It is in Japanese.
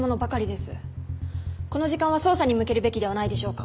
この時間は捜査に向けるべきではないでしょうか。